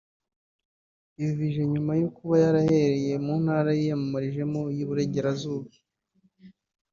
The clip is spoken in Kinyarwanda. Ibi bije nyuma yo kuba yarahereye mu ntara yiyamamarijemo y’Iburengerazuba